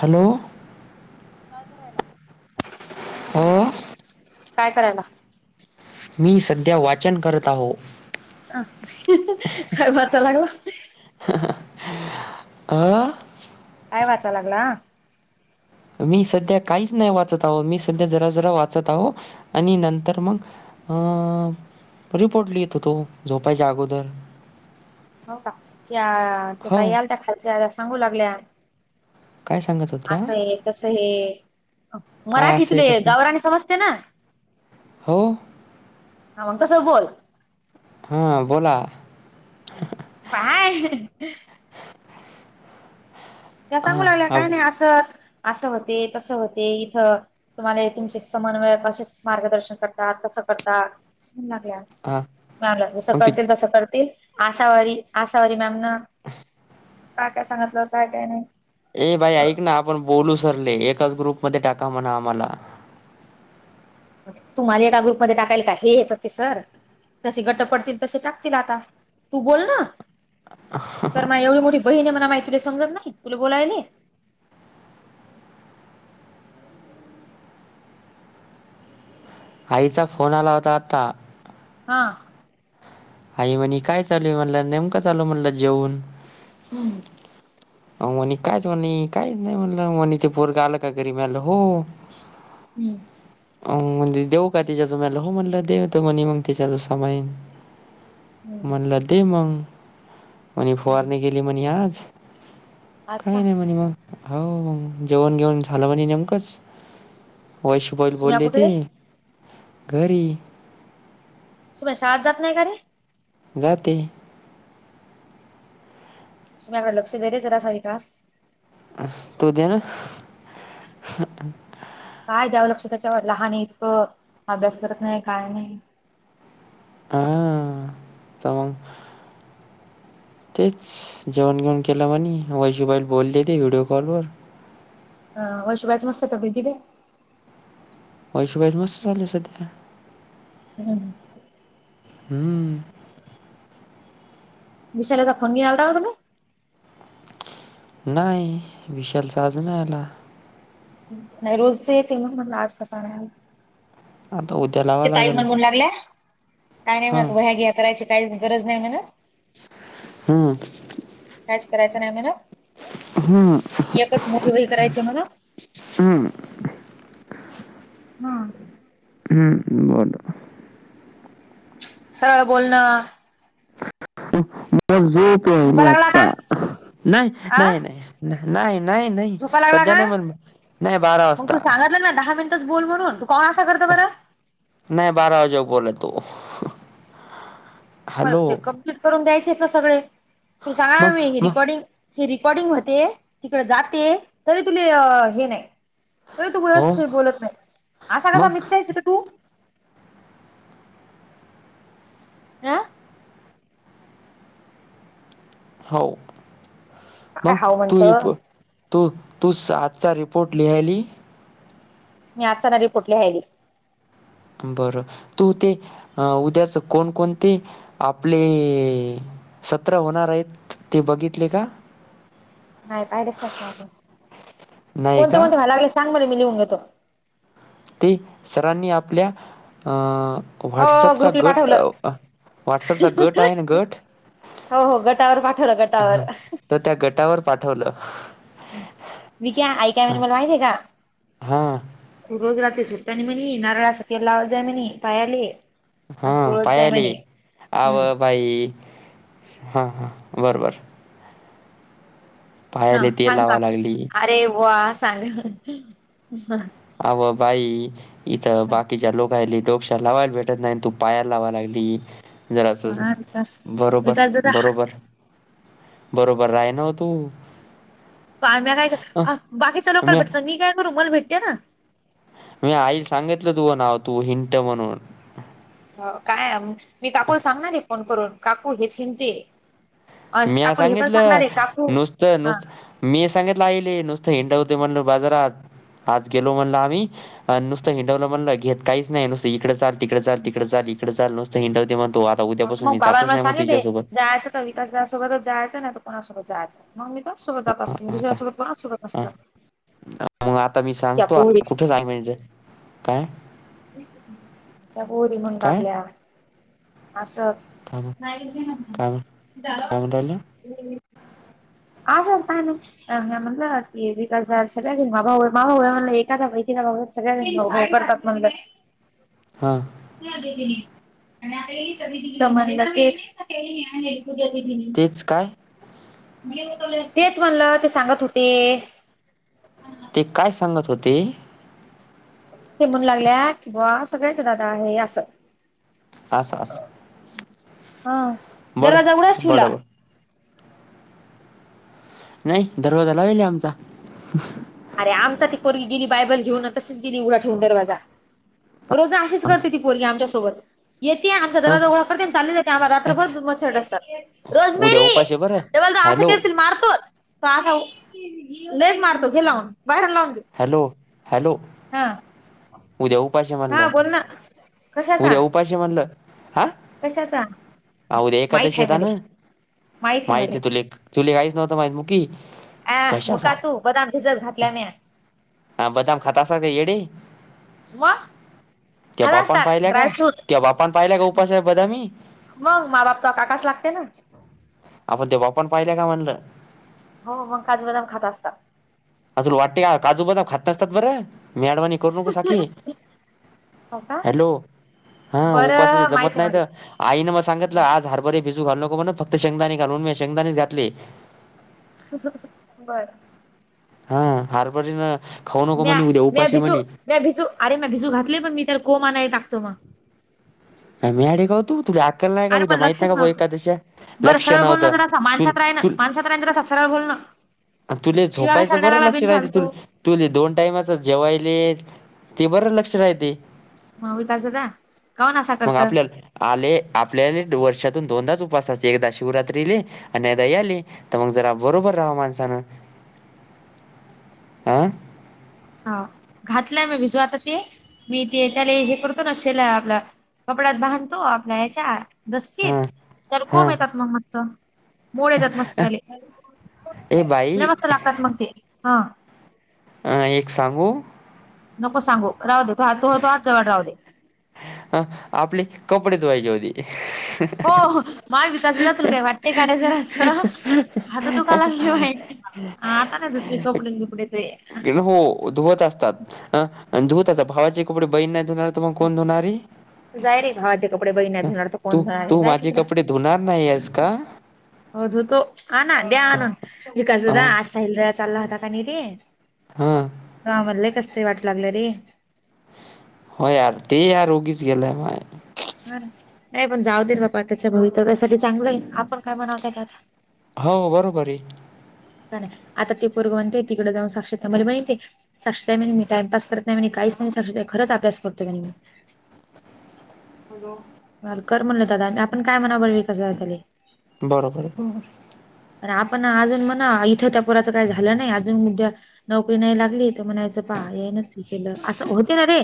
Hello काय करायला. हो काय करायला. मी सध्या वाचन करत आहो. अ काय भचा लागला. हा हा अअअअ काय वाचाय लागला. मी सध्या काहीच नाही वाचत आहो, मी सध्या जरा जरा वाचत आहो आणि नंतर मग अ रिपोर्ट लिहित होतो झोपायच्या अगोदर. हो का या त्या ताई हो आलत्या खालच्या सांगू लागल्या. काय सांगायचं होतं. असं हे तसं हे. काय असे मराठीतले तसे गावरानी समजते ना. हो हा मग तसं बोल. हां बोला. बाय त्या सांगू हां लागल्या काय अब नाय असच असं होते तसं होते इथं. तुम्हाला तुमचे समन्वय कसे मार्गदर्शन करतात कसं करतात म्हणू लागल्या. हां ना नाही जसं मग ती करतील तसं करतील. आसावरी, आसावरी मॅम नं काय काय सांगितलं, काय काय नाही. ए बाई ऐक ना आपण बोलू सरले, एकाच ग्रुपमध्ये टाका म्हणा आम्हाला. तुम्हाला एका ग्रुपमधे टाकायलं काय हे येत हो ते सर जसे गटं पडतील तसे टाकतील, आता तू बोल ना. सर मला एवढी मोठी बहीण आहे, म्हणा माहि तुला समजत नाही तुला बोलायले. आईचा फोन आला होता आता. हहां. आई म्हणी काय चालूये, म्हणला नेमका चालू म्हणलं जेवून. हम्म अवो म्हणी कायच म्हणी, काहीच नाही म्हटलं, मनीचे पोरग आलं का घरी, म्या म्हटलं हो. हम्म. अ म्हणले देऊ का तिच्याच, मला हो म्हणलं देतं, म्हणे मग तिच्याचा संभाळीन. हम्म म्हणलं दे मंग म्हणे हम्म. फुवारनी केली म्हणे आज. आज का? काही नाही म्हणे मग, हो मग जेवण घेऊन झालं म्हणे नेमकंच. होय वैशभ ऑईल सुम्या बोलले कुठे ते रे घरी. सुभाष शाळेत जात नाही कारे? जाती. सुभ्याकडे लक्ष देरे जरासा विकास. तू द्देना काय द्यावं लक्ष त्याच्यावर, लहान इतकं अभ्यास करत नाही काय नाही. हा चं मग तेच जेवण घेऊण केलं म्हणे, वैशू बाईलं बोलले ते व्हिडिओ कॉलवर. वैशुबाईचं मस्त तब्बेत. ववैशुबाईच मस्त चालूये मस्त सध्या. हम् हम्म विशालफोन नई आल्ता का तुले [unintelligible] नाही विशालचा अजून नाहीं आला. नाही रोज ते येते मग, म्हटलं आज कसा नही आला. आता उद्याला ते ताई म्हणवू लागल्या, काय नाही हा म्हणत वह्या घीया करायची काही गरज नाही म्हणं. हम काहीच करायचं नाही नाय मेनू हम्म एकच मोठी वही करायची म्हणे. हम्म हा. हम्म, बोलो. सरळ बोलणंआ? मग झोप झोपा येईली लागला आता, का नाही आ नाही नाही. नाही नाही नाही झोपा लागला सध्या नाही म्हणे ग नाही बारा वाजता. नाही दहा मिनिटच बोल म्हून तू कोण असा करत बरं. नाही बारा वाजेक बोलेल तू. मग ते कम्प्लीट करून द्यायचे आहेत ना सगळे, तू सांग मग मी हि मग रिकॉर्डिंग हे रिकॉर्डिंग व्हते, तिकडं जाते, तरी तुला हे नाही. तरी तू हो व्ययस्थित बोलत नाहीस, असा कसा मग मित्रयेरे? तु आ हो, काय मंग हाव म्हणत तुही तू तू सा आजचा रिपोर्ट लिहायली. मी आजचा नाही रिपोर्ट लिहायली. बर, तू ते उद्याच कोणकोणते आपले सत्र होणार आहेत ते बघितले का? नाही पाहिलेेच नाही मी अजून. नाही कोणते का? म्हणतो मला आधी सांग बर मी लिहून घेतो. ते सरांनी आपल्या अ हो व्हाट्सअपचा ग्रुपला गट, पाठवलं व्हॉट्सपचा गट आहे ना गट. हो हो गटावर पाठवल गटावर. हां, तर त्या गटावर पाठवल. वीक्या आई काय म्हणे मला माहित आहे का? हां, रोज रात्री झोपताना म्हणी, नारळाच तेल लावत जाय म्हणी पायाले. आणि हम्म चोळत जाय पायाले, म्हणे आव हम्म बाई हा हा बरोबर. हा पायाले तेल सांग लावा सांग. लागली. अरे बुवा सांग. अव बाई इथ बाकीच्या लोकहिली डोक श्याला लावायला भेटत नाही. आण तू पायाला लावाय लागली. जरासच, हा विकास बरोबर विकास दादा बरोबर बरोबर राय नाव तू. काय म्या काय करू, अ बाकीचा लोकांना म्या भेटतात मी काय करू. मला भेटत्या ना. मी आईला सांगितल तुझ नाव. तू हिंट म्हणून. हो काय मी काकूला सांगणार आहे फोन करून. काकू हेच हींटी हे. म्या पण सांगितल. सांगणार आहे काकू नुसत हा नुसत मी सांगितल आईले, नुसत हिंडवते म्हणल बाजारात. आज गेलो म्हणल आम्ही, आणि नुसत हिंडवल म्हणल. घेत काहीच नाही नुसत इकड चाल तिकड चाल, तिकड चाल. इकडे चाल. नुसत हिंडवते म्हणतो. आता उद्यापासून मी जातच नाही म्हणतो हिच्यासोबत. विकास दादा सोबतच जायच ना. नाहीतर कोणा सोबत जायच. मग मी त्याास सोबत जात असतो. मी हा, दुसऱ्या आता हा. सोबत [unintelligible] मग आता मी त्या सांगतो पोरी आता कुठ थांबायच आहे. काय? त्या पोरी म्हणु काय लागल्या असच. काय म्हण- काय म्हण- काय म्हणून राहिलं [unintelligible] [unintelligible] [unintelligible] सगळ्या जणी भो भो करतात म्हणल. हा [unintelligible] पूजा दीदीनी. तेच काय तेच म्हणल, ते सांगत होते. ते काय सांगत होते. ते म्हणू लागल्या कि, बवा सगळ्याच दादा आहे अस. आस आस हा दरवाजा उघडाच ठेवला. बडबड नाही दरवाजा लावेल आमचा. अरे आमचा ती पोरवी गेली बायबल घेऊन तशीच गेली उडा ठेवून दरवाजा. रोज अशीच करते ती. पोरगी आमच्यासोबत येते आमचा हां दरवाजा उा करते चालले जाते आहा रात्रभरचछट असतात उद्या रोजमेरी. उपाशी बरं जवल तोा हॅलो केतील मारतोच त आता लेज मारतो घे लावून बाहेर लावून घेऊ. Hello hello. हा उद्या उपाश हा म्हणलं बोल ना कशाचा उद्या उपाश म्हणलं हा. कशाचा उद्या माहित एकादशी आहे यता मले ना. माहित माहती मले आहे तु तु काहीच नव्हतं माहि मु कशा. हो काकू बदाम भिजत घातले मी. हा बदाम खातसा काय येडे. मग त्या खात बापान असतात पाहिल्या ड्रायफ्रूट का बापान पाहिल्या का उपासाहेब बदामी. मग मा बाप तकास लागते ना. आपण ते बापानं पाहिल का म्हणलं? हो मग काजु बदाम खात असता. अजल वाटे काजू बदाम खात नसतात बरं मी म्याडवाणी करू नको आखी. हो का हॅलो हा उपासा बरं जमत माहित आहे नाहीत. आईनें म सांगितलं आज हरभरे भिजू घाल नको ना फक्त शेगदानी घालून मी शेंगदानीच घातले. बरं हा हारप ना खाऊ नको म्या म्हणे उद्या म्या उपास आहे भिजू म्हणे. म्या भिजू अरे मग भिजू घातली पण मी तर कोमा नाही टाकतो मग. का म्याड आहे का तूल आ. ल नाही का अरे उद्या पण माहित लक्षच नाही का नव्हतं. एखादश बरं लक्ष सरळ नव्हत बोलणं जरासा तु माणसात राय ना तु. माणसात राय जरासा सरळ बोलणं. तुला शिव्या झोपायचं कशाला द्यायला बरं लागला लक्ष राहते बिनफालतू तु. तुले दोन टाइमाच जेवायले ते बरं लक्ष राहते. म विकास दादा काऊन असा मग करतं आपल्याला. आले आपल्याले वर्षातून दोनदाच उपसाचे एकदा शिवरात्रीले आणिदा आले. तर मग जरा बरोबर राहा माणसानं. हा [unintelligible] हा घातलाय मग भिजू आता ते? मी ते त्याला हे करतो ना शेला आपला कपड्यात बांधतो आपल्या ह्याच्यात दसतीत हा तर कोब हा येतात मग मस्त. मोड येतात मस्तले ए बाई मस्त लागतात मग ते हा एक सांगू? नको सांगू राह दे तो तो हो तो आज जवळ राह दे. अ आपले कपडे धुवायचे होती. हो हो माग विचस ज तुला काय वाटते का रय जर असं. हात दुखायला लागले आता नाही धुत कपडे बिपडे ते. हो धुवत असतात धुवत असतात भावाचे कपडे बहीण नाही धुणार तुम्हा कोणधणारी? जाय रे भावाचे कपडे बहिण्यात घणार तर तू कोणणारे तू जाय माझे तिकड. कपडे धुणार नाही आहेस का? अधू तो ह ना द्या आणन विकास अ साहिल चालला होता का नाही रे हा तू आम्हाला कसतरी वाटू लागलं रे. हो यार ते या आरोगीच गेल्या म हे पण जाऊ दे ना त्याच्या भवितव्यासाठी चांगले आपण काय म्हणावं त्याच्यात हो बरोबर आहे. का नाही. आता ते पोरग म्हणते तिकड जाऊन साक्षी ताई मला माहितेय साक्षीताई म्हणे मी काही टाईमपास करत नाही म्हणे काहीच [inaudible] खरच अभ्यास करतोय म्हणे मी हॅलो कर म्हणल दादा आपण काय म्हणावं बर विकास दादा त्याले [unintelligible] बरोबर हाय बरोबर हाय पण आपण अजून म्हणा इथं त्या पोराचं काय झालं नाही अजून उद्या नोकरी नाही लागली तर म्हणायचं पाहा हेनाच केलं असं होते ना रे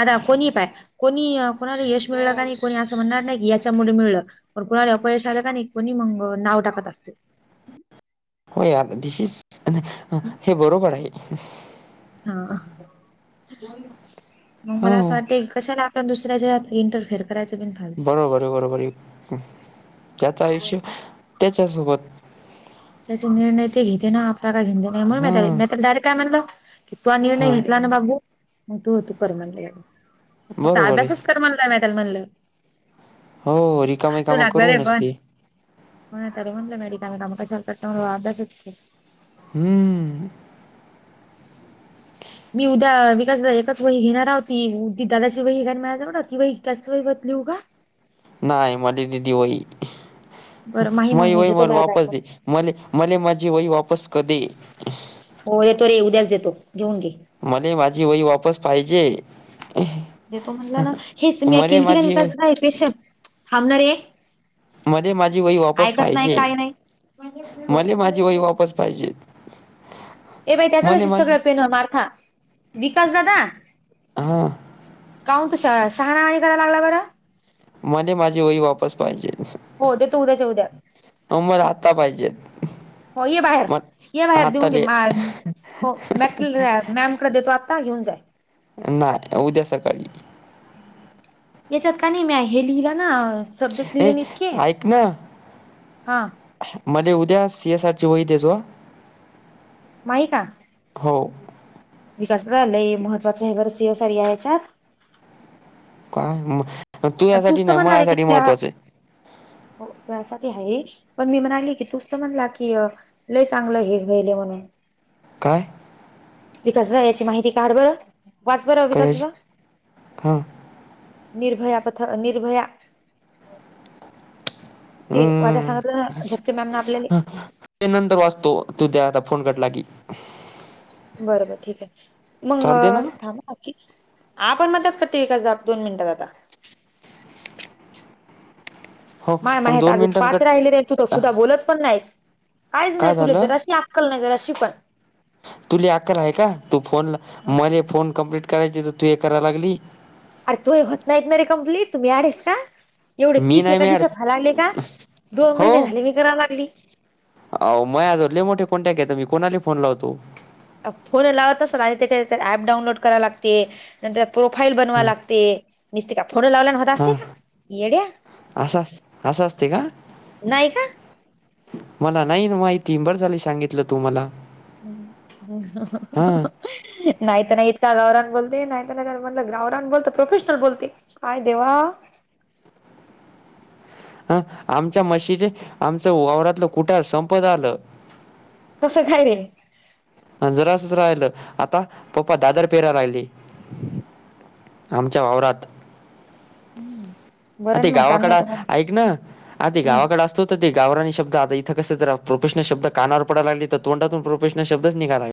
आता कोणीही पाय कोणी कोणाला यश मिळल का नाही कोणी असं म्हणणार नाही. की याच्यामुळे मिळलं पण कुणाला अपयश आलं का नाही. कोणी मग नाव टाकत असतय होय आता दिस इस हे बरोबर आहे. हा मग मला असं हो वाटतय कशाला दुसऱ्याच्यात इंटरफेअर करायचा बिन फालतु बरोबर आहे बरोबर आहे त्याचं आयुष्य त्याच्या सोबत त्याचे निर्णय ते घेते ना आपल्याला काय घेणं देणं म्हणून मी हा त्याला नाय तर डायरेक्ट काय म्हणलं की पनवी ना हा घेतला ना बाबू मग तूव तू कर म्हणलं फक्त बरोबर आहे. अभ्यासच कर म्हणलं नाही तर म्हणलं हो रिकामे कामे करून असते होय ना त्याला म्हटलं ना रिकामे काम कशाला करतो म्हटलं हो अभ्यासच की हम मी उद्या विकास दादा एकाच वही घेणार हाव ती दादा वही हाय ना माझ्या जवळं ती वही त्याच वही वर लिहू का नाय मले दे ती वही बरं माही मग माई मी वही घेतो मला माझ्या बॅग वापस दे मध्ये मले मले माझी वई वापस क दे हो देतो रे उद्याच देतो. घेऊन घे मले माझी वई वापस पाहिजे. देतो म्हणलं ना हेच त मी मले केलती का नाय माझी विकास दादा हे स्पेशल थांबनारे [unintelligible] मले माझी वय वापस पाहिजे. काय नाही. हो मले माझी वय वापस पाहिजेल ए बाई त्याचाच सगळं पेन मारता विकास दादा हा काऊन तू श शहाणावाणी करायला. लागला बरं मले माझी वही वापस पाहिजे. हो देतो उद्याच्या उद्याच आव मला आता हो ये बाहेर ये बाहेर देऊन दे हो आताले मॅम [inaudible] मॅमकड देतो आत्ता येेऊन जाय. नाय. उद्या सकाळी. याच्यात का नाही म्या हे लिहील ना सब्जेक्ट लिहिले ए न इतके ऐक ना हा मले उद्या सी. एस. आर. ची वही देझो माही का हो विकस दादा लय महत्त्वाच आहे. बर सी. एस. आर या याच्यात काय म तुया साठी तूच तर नाही म्हणला माया रे की साठी त्या महत्त्वाचं हाय. हो तुया साठी आहे. पण मी म्हणाली की तूच तर म्हणला की लय चांगलं हे व्हायले. म्हणून काय? विकस दादा याची माहिती काढ बर वाच बर विकास कशाची दादा हा निर्भया पतक निर्भया ते वाचाया सांगतलं, हम्म ना झपके मॅम ना आपल्याला ते नंतर वाचतो. तू त्या आता फोन कटला की- बरबर ठीक आहे, मग चालते ना थांब आपण मदच कट दाबतो दोन मिनिटात आता, [inaudible] हो माय मग माहेत दोन अजून पाच मिनिटांकट राहिले नाही. तू तर सुद्धा बोलत, पण नाहीस काहीच नाही काय तुला झालं जर अशी, अक्कल नाही जराशी. तुले अक्काल आहे का? तू फोन मला फोन कम्प्लीट करायचे तर तू हे कराला लागली. अरे तूझ होत नाहीत ना रे कम्प्लीट तुम्ही [unintelligible] एवढे मी तीस नाही एका मॅड दिवसात हला आले का? दोन हो महिने झाले मी करा लागली. अहो मया जवळ लय मोठे कान्टॅक्ट येत मी कोणाले फोन लावतो. फोन लावत असलं आणि त्याच्या ऍप डाऊनलोड कराला लागते. नंतर प्रोफाईल बनवा हां लागते, नसते का फोन लावल्या न वत असते का येड्या. असं असं असते का नाही का? मला नाही ना माहितीबर झाली सांगितलं तू मला. हम् ह! हां हंहंहं नाहीत नाहीत का गावरान बोलते नाहीत नाही म्हणलं गावरांन बोलत प्रोफेशनल बोलते. काय देेवा! हं! आमच्या मशीदे आमचं वावरातलं कुठ संप झालं. कसं खाय रे! जरासच राहिलं आता पप्पा दादर पेरा राहिली. आमच्या वावरात. हम्म! आ ते गावाकडे ऐक ना! आ ते हम्म. गावांकडे असतो ते गावरानी शब्द आ इथं कसे जरा प्रोफेशनल शब्द कानावर पडाय लागले तर तोंडातून प्रोफेशल शब्दच निघालागले.